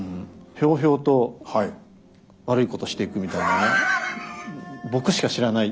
ひょうひょうと悪いことしていくみたいなね。